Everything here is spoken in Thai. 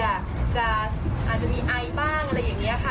อาจจะมีไอบ้างอะไรอย่างนี้ค่ะ